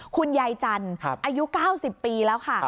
คุณยายจันทร์อายุ๙๐ปีแล้วค่ะ